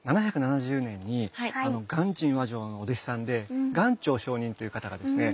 ７７０年に鑑真和上のお弟子さんで鑑禎上人という方がですね